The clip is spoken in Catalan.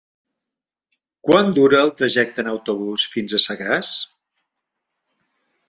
Quant dura el trajecte en autobús fins a Sagàs?